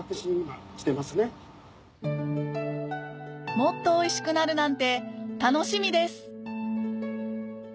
もっとおいしくなるなんて楽しみです